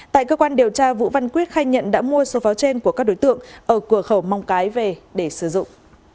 tại cơ quan điều tra vũ văn quyết khai nhận đã mua số pháo trên của các đối tượng ở cửa khẩu móng cái về để sử dụng